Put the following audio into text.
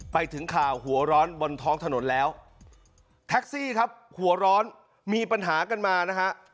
ไปถึงข่าวหัวร้อนบนท้องถนนแล้วแท็กซี่ครับหัวร้อนมีปัญหากันมานะฮะ